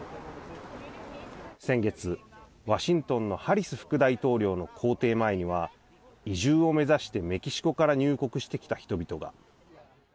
先月、ワシントンのハリス副大統領の公邸前には移住を目指して、メキシコから入国してきた人々が。